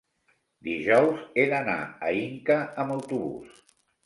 Dijous he d'anar a Inca amb autobús.